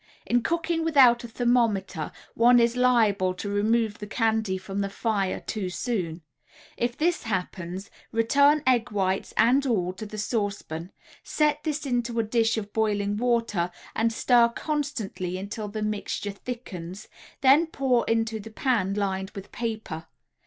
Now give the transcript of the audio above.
In cooking without a thermometer one is liable to remove the candy from the fire too soon if this happens, return, egg whites and all, to the saucepan, set this into a dish of boiling water and stir constantly until the mixture thickens, then pour into the pan lined with paper.